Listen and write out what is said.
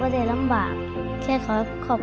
สงสัยร้ำหายใจจริงบ่นครับ